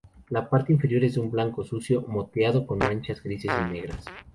La parte inferior es de un blanco sucio, moteado con manchas grises y negras.